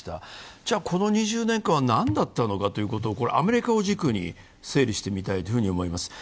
じゃ、この２０年間は何だったのかということをアメリカを軸に整理してみたいと思います。